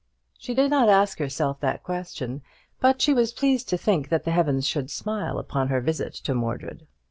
She did not ask herself that question; but she was pleased to think that the heavens should smile upon her visit to Mordred.